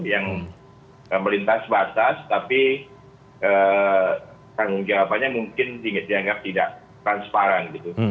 yang melintas batas tapi tanggung jawabannya mungkin dianggap tidak transparan gitu